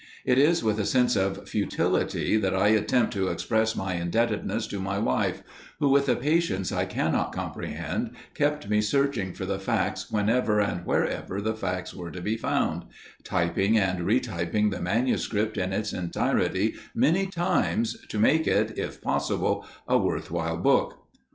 It is with a sense of futility that I attempt to express my indebtedness to my wife, who with a patience I cannot comprehend, kept me searching for the facts whenever and wherever the facts were to be found; typing and re typing the manuscript in its entirety many times to make it, if possible, a worthwhile book.